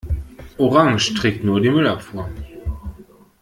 Orange trägt nur die Müllabfuhr.